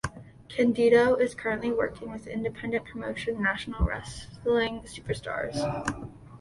Candido is currently working with the independent promotion National Wrestling Superstars.